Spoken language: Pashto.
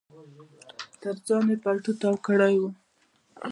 تر ځان يې پټو تاو کړی و.